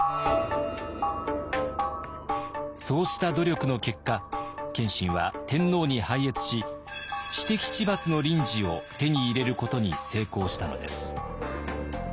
そうした努力の結果謙信は天皇に拝謁し私敵知罰の綸旨を手に入れることに成功したのです。